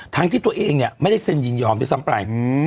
ทั้งที่ตัวเองไม่ได้เซ็นยินยอมทีซ้ำไป